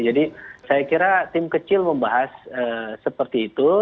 jadi saya kira tim kecil membahas seperti itu